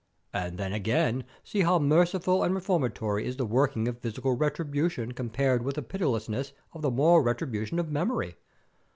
And then, again, see how merciful and reformatory is the working of physical retribution compared with the pitilessness of the moral retribution of memory.